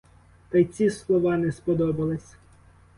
Та й ці слова не сподобались.